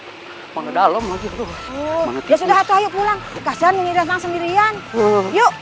hai mengedalem lagi tuh ya sudah ayo pulang kecilnya sang sendirian yuk